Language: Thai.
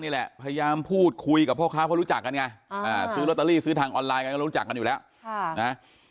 เพราะลูกค้ายังไม่จ่ายเงินอ่ะ